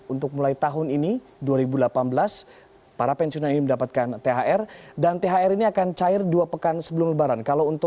untuk mulai tahun ini dua ribu delapan belas para pensiunan ini mendapatkan thr dan thr ini akan cair dua pekan sebelum lebaran